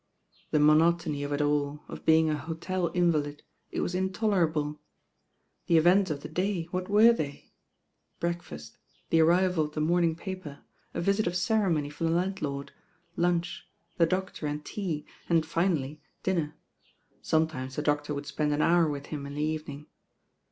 The monotony of it all, of being a hotel invalid; it was intolerable. T events of the day, what were they? Breakfast, the arrival of the morning paper, a visit of ceremony from the landlord, lunch, the doctor and tea — and, finally, dinner. Sometimes the doctor would spend an hour with him in the evening.